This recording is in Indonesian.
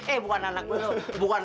eh bukan anak belu